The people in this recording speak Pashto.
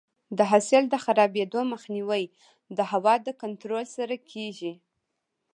د حاصل د خرابېدو مخنیوی د هوا د کنټرول سره کیږي.